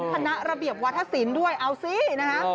คณะระเบียบวัฒนศิลป์ด้วยเอาสินะฮะ